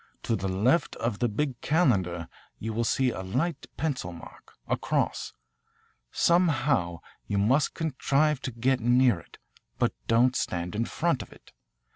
To the left of the big calendar you will see a light pencil mark, a cross. Somehow you must contrive to get near it, but don't stand in front of it.